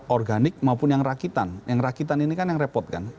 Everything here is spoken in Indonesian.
organik maupun yang rakitan yang rakitan ini kan yang repot kan